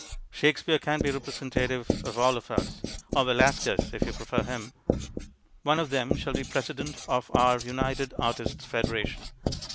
Shakespeare can be representative of all of us, or Velasquez if you prefer him. One of them shall be President of our United Artists' Federation.